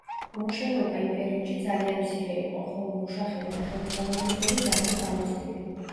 უმუშევრობა იმ პერიოდში ძალიან მცირე იყო, ხოლო მუშახელი და ხელმძღვანელი რგოლი ძალიან გამოცდილი.